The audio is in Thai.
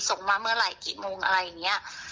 ส่งมาเมื่อไหร่กี่โมงอะไรอย่างนี้